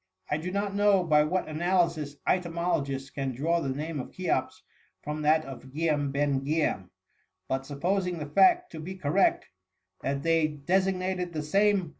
""^' I do not know by what analysis etymolo gists can draw the name of Cheops from that of Giam ben Giam : but, supposing the fact to be correct, that they designated the same per THE MUMMY.